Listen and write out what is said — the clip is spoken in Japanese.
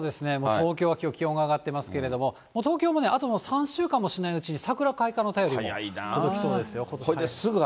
東京はきょう、気温が上がってますけれども、東京もね、あと３週間もしないうちに、桜開花の便りも届きそうですよ。